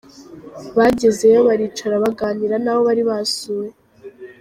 Bagezeye baricara baganira n'abo bari basuye.